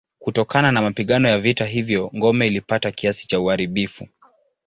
Kutokana na mapigano ya vita hivyo ngome ilipata kiasi cha uharibifu.